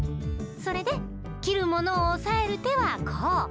それできるものをおさえるてはこう。